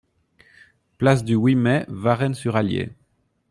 Place du huit Mai, Varennes-sur-Allier